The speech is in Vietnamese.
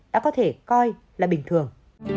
đã có thể coi là bình thường